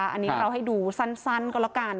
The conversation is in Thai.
อันนี้เราให้ดูสั้นก็แล้วกัน